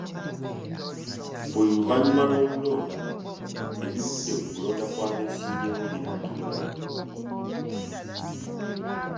Buli luvannyuma lw'okulonda, ebivudde mu nkulonda kw'abeesimbyewo birangirirwa.